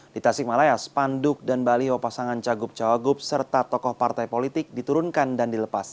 di tasikmalaya spanduk dan baliho pasangan cagup cawagup serta tokoh partai politik diturunkan dan dilepas